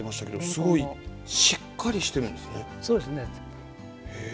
すごい、しっかりしてるんですね。